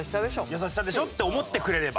「優しさでしょ」って思ってくれれば。